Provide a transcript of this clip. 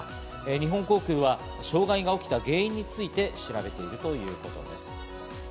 日本航空は障害が起きた原因について調べているということです。